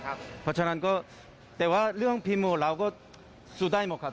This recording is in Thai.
เพราะฉะนั้นก็แต่ว่าเรื่องพรีโมทเราก็สู้ได้หมดครับ